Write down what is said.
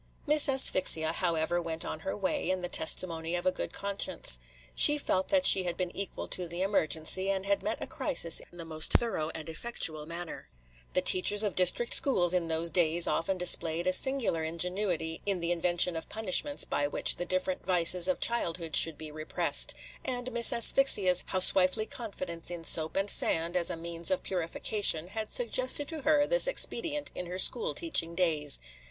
Miss Asphyxia, however, went on her way, in the testimony of a good conscience. She felt that she had been equal to the emergency, and had met a crisis in the most thorough and effectual manner. The teachers of district schools in those days often displayed a singular ingenuity in the invention of punishments by which the different vices of childhood should be repressed; and Miss Asphyxia's housewifely confidence in soap and sand as a means of purification had suggested to her this expedient in her school teaching days.